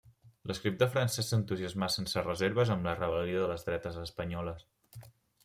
L'escriptor francès s'entusiasmà sense reserves amb la rebel·lió de les dretes espanyoles.